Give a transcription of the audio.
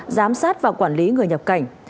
giám sát và quản lý người nhập cảnh